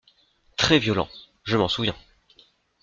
Très violent… je m’en souviens.